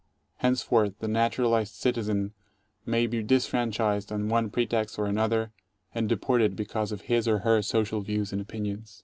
Henceforth the naturalized citizen may be disfran chised, on one pretext or another, and deported because of his or her social views and opinions.